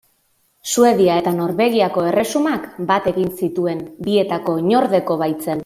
Suedia eta Norvegiako erresumak bat egin zituen, bietako oinordeko baitzen.